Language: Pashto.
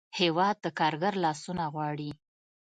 هېواد د کارګر لاسونه غواړي.